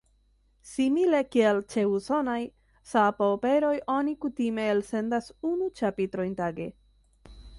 Simile kiel ĉe usonaj sapo-operoj oni kutime elsendas unu ĉapitrojn tage.